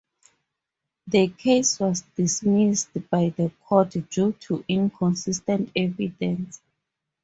The case was dismissed by the court due to inconsistent evidence.